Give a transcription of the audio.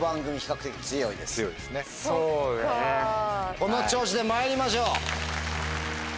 この調子でまいりましょう。